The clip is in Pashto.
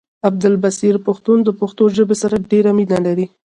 عبدالبصير پښتون د پښتو ژبې سره ډيره مينه لري